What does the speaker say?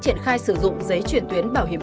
triển khai sử dụng giấy chuyển tuyến bảo hiểm